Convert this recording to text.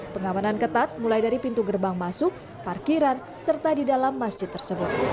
pengamanan ketat mulai dari pintu gerbang masuk parkiran serta di dalam masjid tersebut